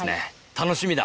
楽しみだ。